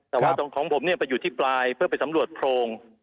แต่ว่าตรงของผมเนี่ยไปอยู่ที่ปลายเพื่อไปสำรวจโพรง